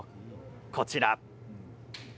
こちら。